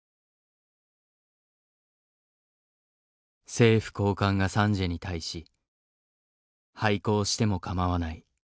政府高官がサンジエに対し「廃鉱しても構わない。